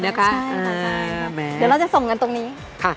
ใช่ค่ะใช่ค่ะค่าแมนเดี๋ยวเราจะส่งกันตรงนี้ค่ะ